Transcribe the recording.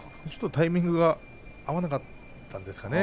タイミングが合わなかったんですかね。